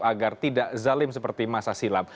agar tidak zalim seperti masa silam